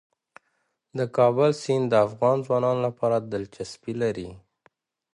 د کابل سیند د افغان ځوانانو لپاره دلچسپي لري.